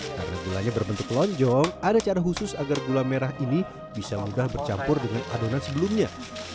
karena gulanya berbentuk lonjong ada cara khusus agar gula merah ini bisa mudah bercampur dengan adonan sebelumnya